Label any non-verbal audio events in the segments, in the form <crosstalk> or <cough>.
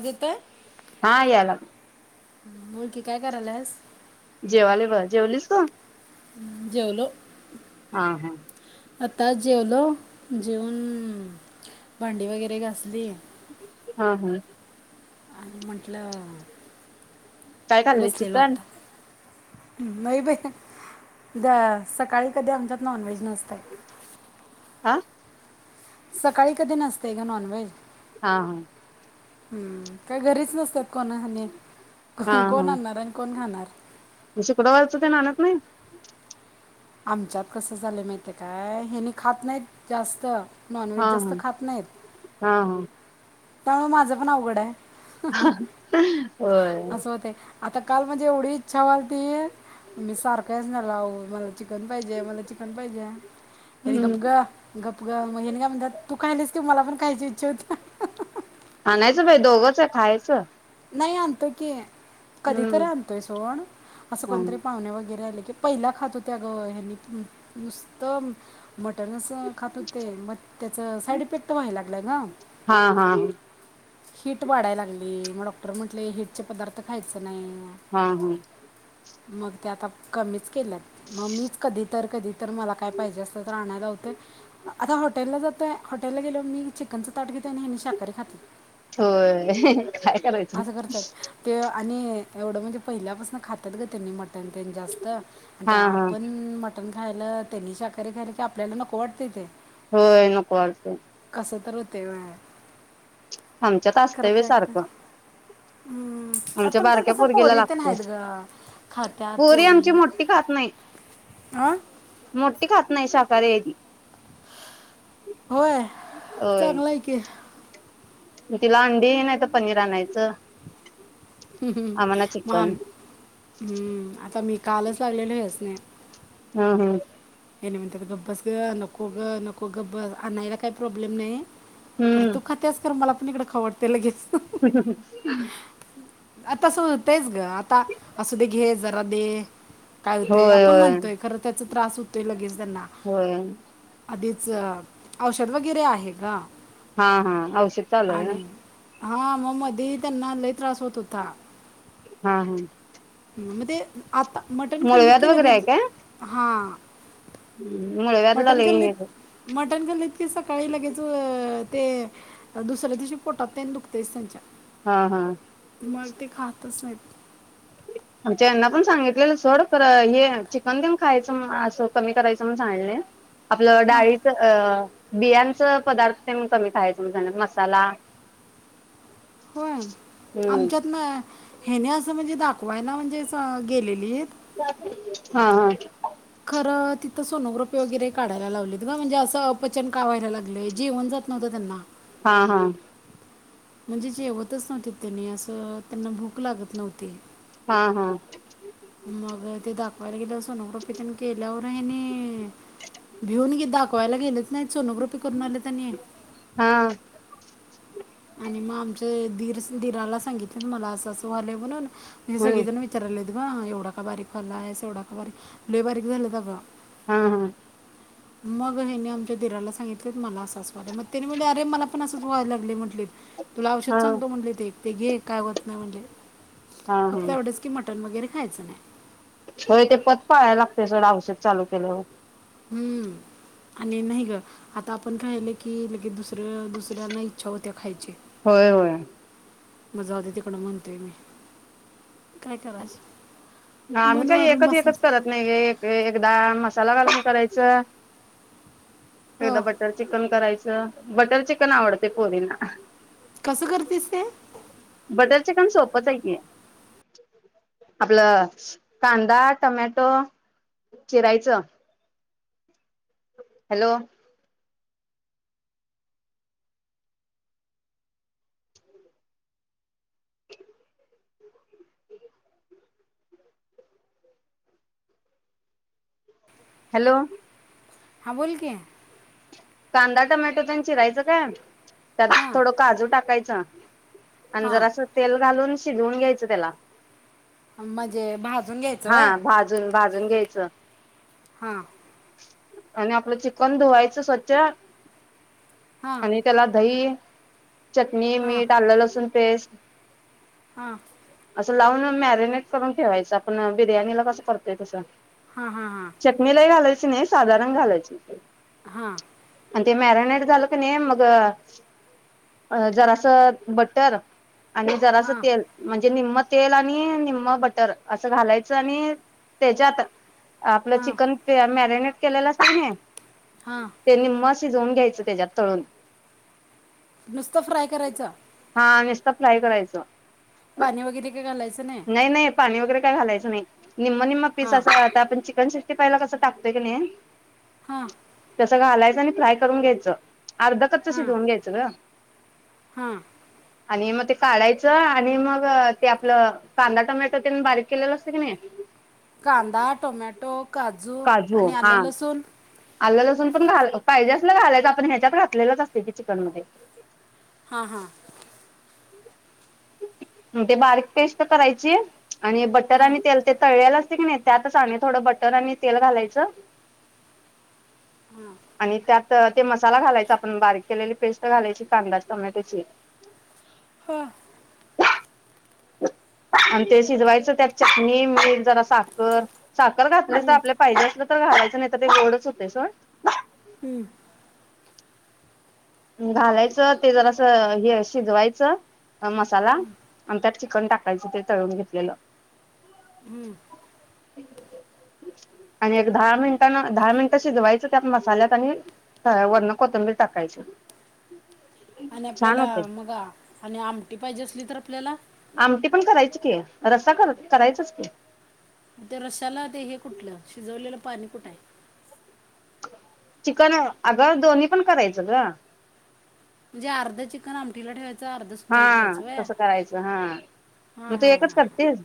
आग त हा याला <inaudible> करायलास जेवाले ब जेवलीस. तु जेवलो. हा हा आता जेवलो जेवून भांडी वगैरे घासली. हा हम् आणि म्हटलं..... काय खालीस बसलेलो चिकन? आत्ता नाही बाई द सकाळी कधी आमच्यात नॉनव्हेज नसतय आ सकाळी कधी नसतेय ग नॉनव्हेज. हा हा हम्म काय घरीच नसतात. कोण हाणे हा हा कोण हा आणणार आणि कोण खाणार? शुक्रवारचं ते आणत <unintelligible> आमच्यात कसं झालं माहििते काय हे नाही खात नाहीत जास्त नॉनव्हेज हा जास्त हा हा हा त्यामुळ माझं पण अवघड आहे. हा हा होय असं होते आता काल माझी एवढी इच्छा व्हालती मी सारख यासनी आव मला चिकन पाहिजे हाय मला चिकन पाहिजे हाय, हेनी हम्म गप ग गप ग मग हेनी काय म्हणत्यात तू खायलीस की मला पण खायची इच्छा होत्या. आणायचं बाई दोघंच आहे खायचं. नाही आणतो की हम्म कधीतरी आणतोय सोड असं कोणतरी पाहुणे वगैरे आली की, पहिला खात होते अगं हेनी नुसतं मटणच अस खात होते म त्याच साईड इफेक्ट व्हायला लागला ग हा हा हा हिट वाढाय लागली मग डॉक्टर म्हटले हिटचे पदार्थ खायच नाही हा हा मग ते आता कमीच केल्यात मग मीच कधी तर- कधी तर मला काय पाहिजे असलं तर आणायला लावतोय आता हॉटेलला जातोय हॉटेलला गेल्यावर मी चिकनचं ताट घेतोय आणि हेनी शाकारी खात्यात होय काय करायचं करतात ते आणि एवढं म्हणजे पहिल्यापासून खातात ग त्यांनी मट न तेन जास्त आणि ते हा हा आपण मटन रायलं त्यांनी शाकारी खायला की, आपल्याला नको वाटते ते होय नको वाडतंय असं तर होतय, होय आमच्यात असतंय व्हय सारखं हम्म. आता आमच्या तुमच्या बारक्या कसं पोरगीला पोरी ते लागतंय, नाहीत गं खात्यात पोरी आमची ही मोठी खात नाही हां मोठी खात नाही शाकाहारी आहे ती होय होय चांगलं आहे की तिला अंडी नाही तर, पनीर आणायचं आम्हाला चिकन <unintelligible> आता मी कालच चाललेलं असणे हम्म हम्म हेणे म्हणतात गब्बस ग नको ग नको गब्बस ग आणायला काही प्रॉब्लेम नाय खरं हम्म तू खात्यास खरं मला इकड खाऊ वाटतंय लगेच आता तस होतंयच ग आता असुदे दे जरा दे काय होतय होय आपण होय म्हणतोय खरं त्याचा त्रास लगेच त्यांना होय आधीच औषध वगैरे आहे का? हा हा औषध चालू आहे होय? हा म मधी त्यांना लई त्रास होत होता. हा हम म ते आता मटण खाल्लीत की वगैरे आहे लगेच काय हां मुळव्याधला मटन लय हे खाल्लित मटन खाल्लीत की सकाळी लगेच ते दुसरे दिवशी पोटात तेन दुकतेच त्यांच्या हा हा मग ते खातच नाहीत. आमच्या यांना पण सांगितलेलं सोड खर हे चिकन खायचं असं कमी करायचं म्हणून सांगितलय. आपलं हां डाळीच अ बियांच पदार्थ ते कमी खायच म्हणून सांगितलय मसाला होय हम्म आमच्यात ना ह्यानी असं म्हणजे दाखवायला म्हणजे अस गेलेलीत <unintelligible> हा हा तर तिथ सोनोग्राफी वगैरे काढायला लावली. म म्हणजे असं पचन का होई लागलय जेवण जात नव्हत त्यांना हा हा म्हणजे जेवतच नव्हते त्यांनी असं त्यांना भूक लागत नव्हती. हा हा मग ते दाखवायला गेलो असतो. सोनोग्राफी तेन केल्यावर यांनी भिऊन घे दाख पवायला गेलंच नाय सोनोग्राफी करून आलेत आणि हा आमचे दीर दीराला सांगितले मला असं असं झाले म्हणून म्हणजे हम्म सगळी जन विचारालेत एवढा का बारीक व्हायलास एवढा का बारीक लय बारीक झाल्यात अग हा हा मग हेनी आमच्या दिराला सांगितले मला असं अस व्हायला लागलंय मग तेणी मला पण असच व्हाय लागलय बघ तुला औषध हा सांगतो म्हटले ते ते घे. काय होत नाही म्हंटले. हा फक्त हा एवढच की मटन वगैरे..... खायाच नाय. होय ते पत पाहायला लागते सोड औषध चालू केल्यावर... हम्म आणि नाही ग आता आपण काय आलं की लगेच दुसर <inaudible> दुसऱ्यांना इच्छा होत्या खायची. होय होय. माझं आधी तिकडं म्हणतोय मी? काय करायच.... ह आम्ही का एकच एकच करत नाही एक एकदा मसाला घालून करायच.... च एकदा अ, बटर चिकन करायचं. बटर चिकन आवडतंय पोरीना. कसं करतेस ते? पथं आहे की आपलं.... कांदा टमॅटो चिरायच... हॅलो <inaudible> हॅलो हां बोल की... कांदा टोमॅटो तेन चिरायचं काय..... त्यात हां, थोडं काजू टाकायचा. आणि हां. जरासं तेल घालून शिजवून घ्यायचं त्याला. म्हणजे भाजून घ्यायच... हा भाजून भाजून घ्यायचं. हा. आणि आपलं चिकन धुवायचं स्वच्छ हां, आणि त्याला दही चटणी, हां, मीठ, आलं, लसून पेष्ट... हां, लावून मॅरिनेट करून ठेवायच. आपण बिर्याणीला कसं करतोय तसं. हां, हां, चटणी लई घालाय <unintelligible> नाही साधारण घालायची. हा आणि ते मॅरिनेट झालं क नई, मग जरासं बटर आणि जरासं हां, तेल म्हणजे निम्म तेल आणि निम बटर असं घालायचं आणि त्याच्यात आपलं हां, चिकन ते मॅरिनेट केलेल असतेयं कनी हां. ते निम्म शिजवुन घ्यायचं त्याच्यात तळून. नुसतं फ्राय करायचं. हा नुसतं फ्राय करायचं. पाणी वगैरे काही घालायचं नाही नाही पाणी वगैरे काय घालायचं. ते नाही. निम्म निम्म पिस हां, असं आता आपण चिकन सिक्स ते पहिला कसं टाकतोय की नाही हां, तसं घालाय फ्राय करून घ्यायच. अर्ध कच्च हां, शिजवून घ्यायचं ग हां. आणि मग ते काढायचं आणि मग ते आपलं कांदा टोमॅटो तेन बारीक केलेला असतोय कणी कांदा, टोमॅटो काजू आणि आलं लसूण आल्ल लसून पण घाल पाहिजे असलं घालायच आपण ह्याच्यात घातलेलंच असतय की चिकन मध्ये हा, हा. <inaudible> ते बारीक पेस्ट करायची. आणि बटर हां आणि तेल ते तळ्याल अस असतय कणी त्यांतच थोडं बटर आणि तेल घालायचं. आणि त्यात तर ते मसाला घालायचा आपण बारीक केलेली पेस्ट घालायची, कांदा टमॅटोची. हा आणि ते शिजवायचं. त्यात चटणी, मीठ, जरा साखर साखर घातल तर हम्म, आपले पाहिजे असल तर घालायचं नाही तर ते गोडच होतंय सोड. हम्म घालायचं ते जरासं हे शिजवायचं. मसाला आणि त्यात चिकन टाक यंच ते तळून घेतलेलं. हम्म आणि एक दहा मिनिटांन, दहा मिनिटं शिजवायचं त्या मसाल्यात आणि वरनं कोथंबीर टाकायची. <inaudible> आणि छान आपल्याला होतंय. मगा आणि आमटी पाहिजे असली तर आपल्याला करायच की रस्सा कर करायचचं की, ते रश्याला ते हे कुठलं? शिजवलेलं पाणी कुठं हाय. चिकन अग दोन्ही पण करायचं ग म्हणजे अर्ध चिकन आमटीला ठेवाय अर्ध सुकेल हा ठेवायच व्हय तसं करायचं हा हा मग तू हा एकच ह करतीस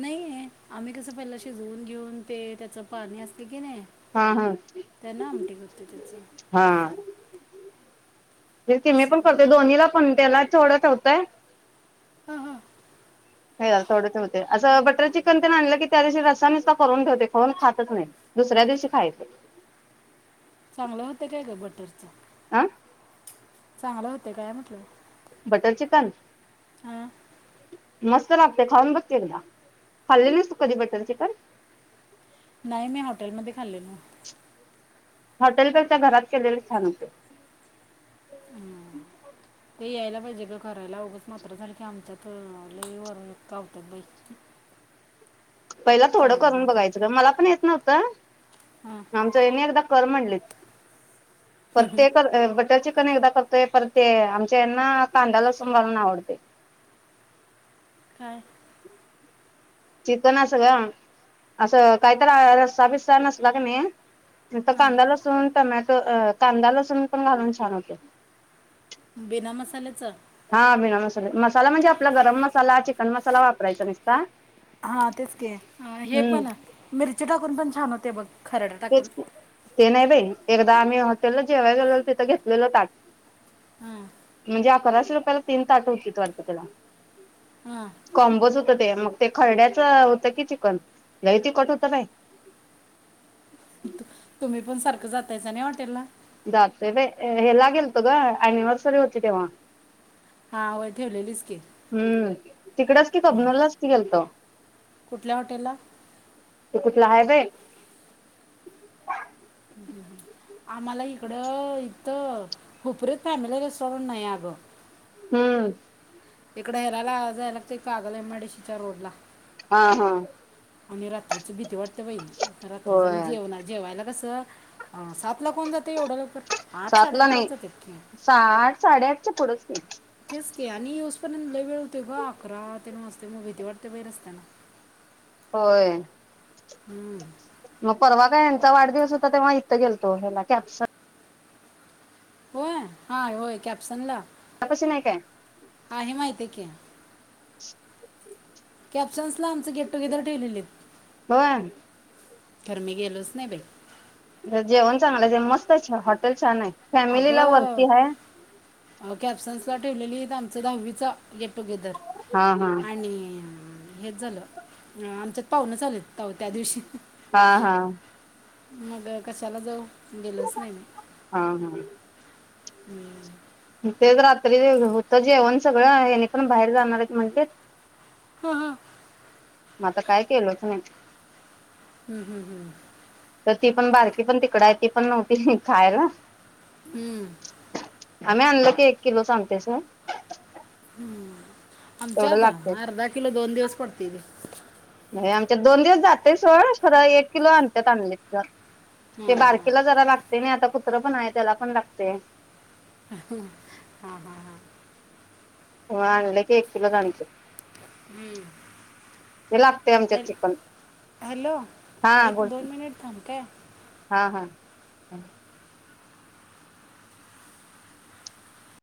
नाही आम्ही कसं पहिला शिजवून घेऊन ते त्याच पाणी असते की नाय हा हा त्यांन आमटी होते त्याच व्हय कि मी पण करते दोन्हीला पण त्याला तेवढं ठेवतंय ह ह हे थोड ठेवते असं बटर चिकन ते आणलं की त्या दिवशी रस्सा नुस्ता करून ठेवते, कोण खातच नाही दुसऱ्या दिवशी खायचं. चांगलं होतं काय ग बटरचं आ चांगलं होतय काय म्हटलं बटर चिकन हां मस्त लागतय खाऊन बघ की, एकदा खाल्ली नाहीस तु कधी बटर चिकन नाही मी होटेलमध्ये खालेल. हॉटेलपेक्षा घरात केलेले छान होतय. ते यायला पाहिजे गं करायला उगच मात्र झालं की आमच्यात लई वर का <unintelligible> पहिला थोडं करून बघायचं ग मला पण येत नव्हतं. हां आमंच येनी एकदा कर म्हणलेत प्रत्येक कर बटर चिकन पण एकदा करतोय परत ते आमच्या यांना कांदालसूण घालून आवडते. काय? चिकनचं ग असं काहीतरी रस्सा बिस्सा नसला कनय नुसत हां कांदा लसून टमॅट त ए कांदा लसूण पण घालून छान होते. बिना मसाल्याचं हा बिना मसाले मसाला म्हणजे आपला गरम मसाला चिकन मसाला वापरायचा नुस्ता हा तेच की हे पण मिरची टाकून पण छान हो ते बघ खरडा टाकून तेच ते नाही बाई एकदा आम्ही हॉटेलला जेवायला गेलो तिथं घेतलेलं ताट हां म्हणजे अकराशे रुपयाला तीन ताट होती वाटत त्याला हां कॉम्बोच होत ते मग ते खरड्याच होतं की चिकन लय तिखट होतं बाई तु- <unintelligible> तुम्ही पण सारखं जातायच ना हॉटेलला? जातोय बाई हेला गेल तो ग एनिवर्सरी होती तेव्हा हा होय ठेवलेलीच की, हम्म तिकडच की कबनुर लाच की गेलताव कुठल्या हॉटेलला? कुठल हाय बाई आम्हाला इकडं इथं हुपरीत फॅमिली रेस्टॉरंट नाही अगं ह इकड हरायला जायला लागते Kagal M I D C च्या रोड ला हा हा आणि रात्रीची भीती वाटत तव बाई रात्रीच होय आणि जेवायला कसं हा सात ला कोण जाते एवढ्या लकर आठ- सातला साडेआठ लाच नाही जाते सहा आठ साडेआठच्या पुढच की तेच की आणि येउसपर्यंत लय वेळ होतोय ग अकरा तेन वाजतय मग भीती वाटते बाई रस्त्याला होय मग परवा काय यांचा वाढदिवस होता तेव्हा इथे गेले तो कॅप्स होय, हाय होय कॅप्सन ला नाही काय आहे माहितीये की, <unintelligible> कॅप्शन्स ला आमचे गेट-टुगेदर ठेवलेलीत. होय खरं मी गेलोच नाही बाई जेवण चांगलं ते मस्त आहे हॉटेल छान आहे फॅमिलीला वरती आहे अगं कॅप्शन ठेवलेलीत आमचा दहावीचा गेट-टुगेदर हा हा आणि हेच झालं आमचं पाहूनच आलो तया दिवशी हा हा मग कशाला जाऊ? गेलोच नाही मी हा हा ह तरी होत जेवण सगळं आ हेनि पण बाहेर जाणार आहेत म्हणतलित हम हम मग आता काय केलंच नाही हुं, हुं, हुं तर ती पण बारकी पण तिकड आहे ती पण नव्हती खायला. हम्म आम्ही आणलं की एक किलोच आणतेच न <inaudible> आमच्यात अर्धा किलो दोन दिवस पडतय नाही आमच्यात दोन दिवस जातय सोडं खरं एक किलो आणत्यात आणली तर ते हां हां बारकीला जरा लागते नाही आता फ कुत्र पण आहे त्याला पण लागतय. हा हा हा म्ह आणले की एक कीलोच आणायचं हम् ते लागतय आमच्यात है चिकन हैलो हा बोल एक-दोन हा हा ह